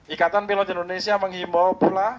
ikatan pilot indonesia menghimbau pula